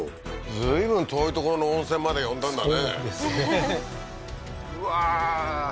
随分遠い所の温泉まで呼んだんだね